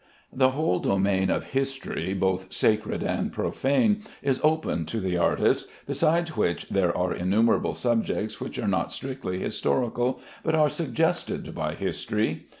The whole domain of history, both sacred and profane, is open to the artist, besides which there are innumerable subjects which are not strictly historical, but are suggested by history.